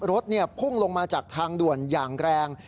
รถพุ่งลงมาจากทางด่วนอย่างแรง